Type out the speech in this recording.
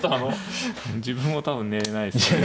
自分も多分寝れないですね。